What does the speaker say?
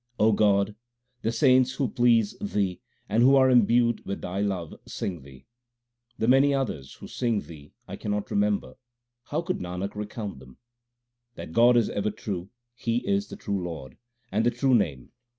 God, the saints who please Thee and who are imbued with Thy love sing Thee. The many others who sing Thee I cannot remember ; how could Nanak recount them ? That God is ever true, He is the true Lord, and the true Name.